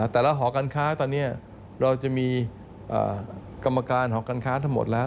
หอการค้าตอนนี้เราจะมีกรรมการหอการค้าทั้งหมดแล้ว